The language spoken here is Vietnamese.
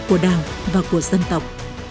của đảng và của dân tộc